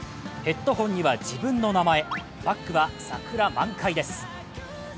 ヘッドホンには自分の名前バッグは桜満開です。